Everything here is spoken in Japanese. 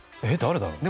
誰だろう？